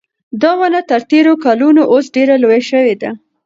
دا ونه تر تېرو کلونو اوس ډېره لویه شوې ده.